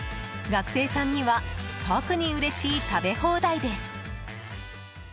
学生さんには特にうれしい食べ放題です。